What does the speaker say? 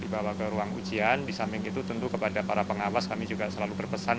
dibawa ke ruang ujian di samping itu tentu kepada para pengawas kami juga selalu berpesan